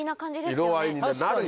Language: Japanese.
色合いになるよ